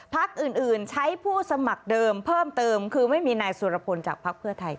พักอื่นใช้ผู้สมัครเดิมเพิ่มเติมคือไม่มีนายสุรพลจากภักดิ์เพื่อไทย